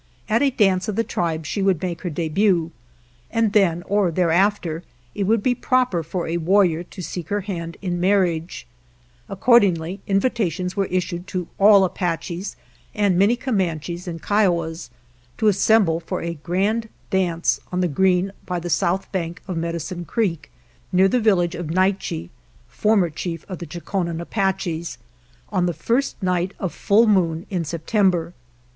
At a dance of the tribe she would make her debut, and then, or thereafter, it would be proper for a warrior to seek her hand in marriage. Accordingly, invitations were is sued to all Apaches, and many Comanches and Kiowas, to assemble for a grand dance on the green by the south bank of Medi cine Creek, near the village of Naiche, for mer chief of the Chokonen Apaches, on 192 UNWRITTEN LAWS the first night of full moon in September.